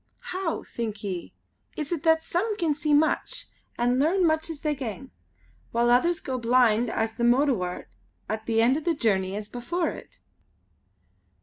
How, think ye, is it that some can see much, and learn much as they gang; while others go blind as the mowdiwart, at the end o' the journey as before it?"